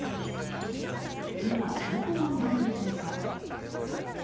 今、どこにいるのでしょうか。